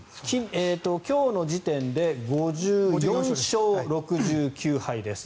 今日の時点で５４勝６９敗です。